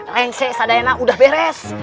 lensek sadayana sudah beres